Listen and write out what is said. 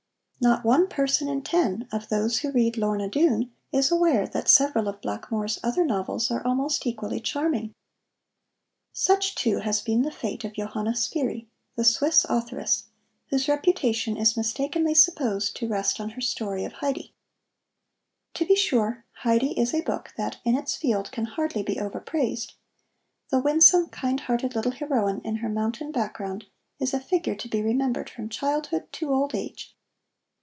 Not one person in ten of those who read Lorna Doone is aware that several of Blackmore's other novels are almost equally charming. Such, too, has been the fate of Johanna Spyri, the Swiss authoress, whose reputation is mistakenly supposed to rest on her story of Heidi. To be sure, Heidi is a book that in its field can hardly be overpraised. The winsome, kind hearted little heroine in her mountain background is a figure to be remembered from childhood to old age.